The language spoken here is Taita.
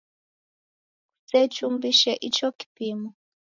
Kusechumbise icho kipimo.